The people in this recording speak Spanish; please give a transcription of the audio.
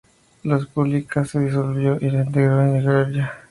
La república se disolvió y se integró en Georgia.